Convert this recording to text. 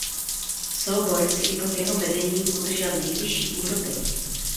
Sbor si i pod jeho vedením udržel nejvyšší úroveň.